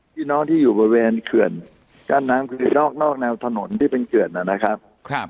พี่น้องที่อยู่บริเวณเขื่อนกั้นน้ำคือนอกแนวถนนที่เป็นเขื่อนนะครับ